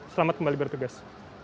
selamat kembali bertugas